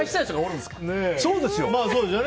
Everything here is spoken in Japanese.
まあ、そうですよね。